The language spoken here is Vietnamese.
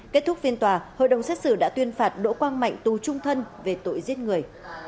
kết thúc phiên tòa hội đồng xét xử đã tuyên phạt đỗ quang mạnh tù trung thân về tội giết người